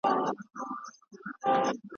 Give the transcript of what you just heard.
چي د مطرب له خولې مي نوم چا پېژندلی نه دی ,